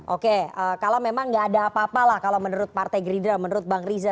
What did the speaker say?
oke kalau memang nggak ada apa apa lah kalau menurut partai gerindra menurut bang riza